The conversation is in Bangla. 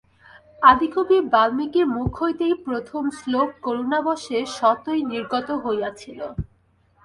আদিকবি বাল্মীকির মুখ হইতে প্রথম শ্লোক করুণাবশে স্বতই নির্গত হইয়াছিল।